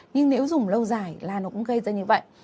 nhưng nếu dùng lâu dài là nó cũng gây ra như vậy